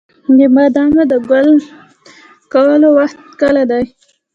د بادامو د ګل کولو وخت کله دی؟